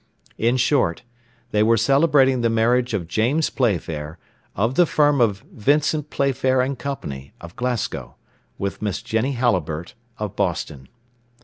In short, they were celebrating the marriage of James Playfair, of the firm of Vincent Playfair & Co., of Glasgow, with Miss Jenny Halliburtt, of Boston.